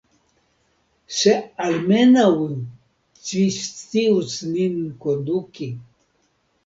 Se almenaŭ ci scius nin konduki!